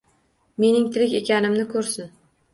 Mening tirik ekanimni ko`rsin